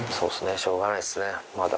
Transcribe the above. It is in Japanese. しょうがないですねまだ。